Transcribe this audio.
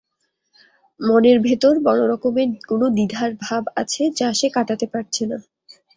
মনের ভেতর বড় রকমের কোনো দ্বিধার ভাব আছে, যা সে কাটাতে পারছে না।